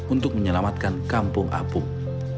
untuk menyelamatkan kampung apung